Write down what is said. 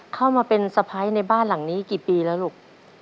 เข้ามาเป็นสะพ้ายในบ้านหลังนี้กี่ปีแล้วลูก